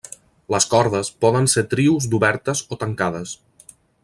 Les cordes poden ser trios d'obertes o tancades.